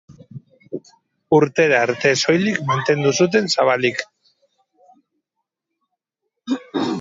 Urtera arte soilik mantendu zuten zabalik.